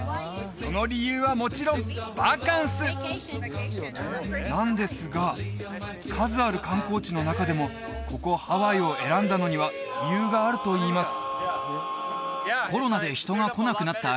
その理由はもちろんバカンス！なんですが数ある観光地の中でもここハワイを選んだのには理由があるといいます